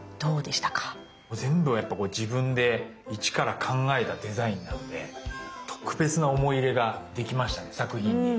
全部が自分で一から考えたデザインなんで特別な思い入れができましたね作品に。